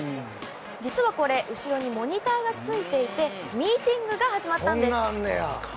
実はこれ後ろにモニターがついていてミーティングが始まったんです。